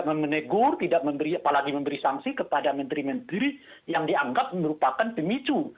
memenegur apalagi memberi sanksi kepada menteri menteri yang dianggap merupakan pemicu